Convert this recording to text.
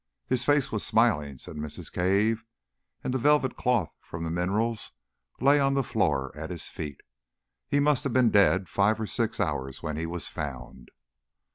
His face was smiling, said Mrs. Cave, and the velvet cloth from the minerals lay on the floor at his feet. He must have been dead five or six hours when he was found.